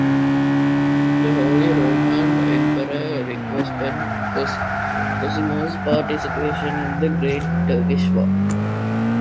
The Holy Roman Emperor requested Cosimo's participation in the Great Turkish War.